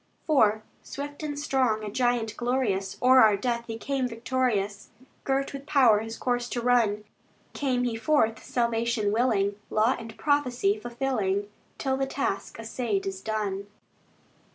IV Swift and strong, a giant glorious, O'er our death He came victorious, Girt with power His course to run. Came he forth salvation willing, Law and prophecy fulfilling, Till the task assayed is done.